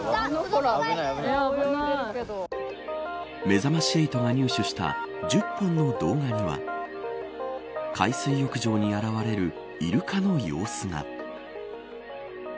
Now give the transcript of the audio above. めざまし８が入手した１０本の動画には海水浴場に現れるイルカの様子が。